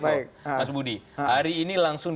mas budi hari ini langsung